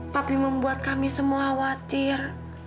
tapi membuat kami semua khawatir